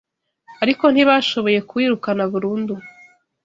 ariko ntibashoboye kuwirukana burundu